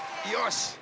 よし！